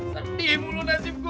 sedih mulu nasib gue